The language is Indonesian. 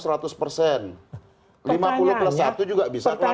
lima puluh plus satu juga bisa keluar